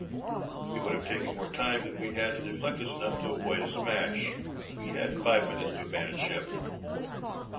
It would have taken more time than we had to deflect us enough to avoid a smash. We had five minutes to abandon ship.